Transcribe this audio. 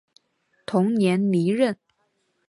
同年离任。